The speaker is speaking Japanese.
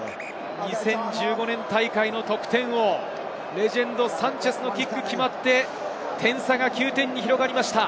２０１５年大会の得点王、レジェンド、サンチェスのキックが決まって、点差が９点に広がりました。